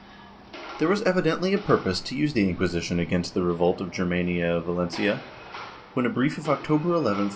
There was evidently a purpose to use the Inquisition against the revolt of the Germania of Valencia, when a brief of October 11, ' Archive de Simancas, Inq.